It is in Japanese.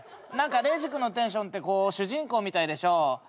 何かレイジ君のテンションってこう主人公みたいでしょう。